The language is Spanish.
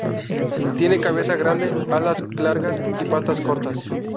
Tiene cabeza grande, alas largas y patas cortas.